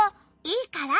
いいから！